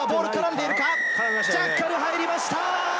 ジャッカル入りました！